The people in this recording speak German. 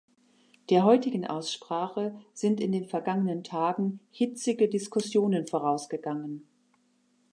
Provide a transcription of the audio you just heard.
Der heutigen Aussprache sind in den vergangenen Tagen hitzige Diskussionen vorausgegangen.